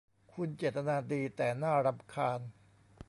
คุณเจตนาดี แต่น่ารำคาญ